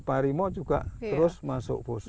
harimau juga terus masuk poso